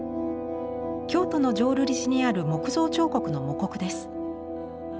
京都の浄瑠璃寺にある木造彫刻の模刻です。